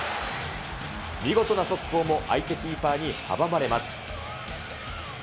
見事な速攻も相手キーパーに阻まれます。